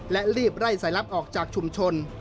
และรีบไล่สายลับออกจากชุมชน